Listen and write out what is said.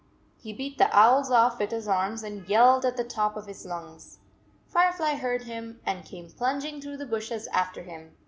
He beat the owls off with his arms and yelled at the top of his lungs. Firefly heard him and came plunging through the bushes after him.